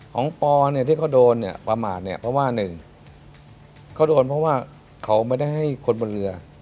ของปอเนี่ยที่เขาโดนประมาทเนี่ยเพราะว่า๑เขาโดนเพราะว่าเขาไม่ได้ให้คนบรรเวิร์น